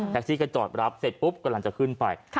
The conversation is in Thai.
ซี่ก็จอดรับเสร็จปุ๊บกำลังจะขึ้นไป